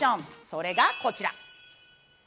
それがこちら。